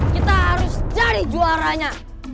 kita harus jadi juaranya